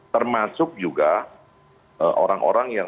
termasuk juga orang orang yang